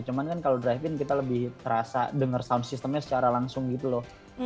cuma kan kalau drive in kita lebih terasa dengar sound systemnya secara langsung gitu loh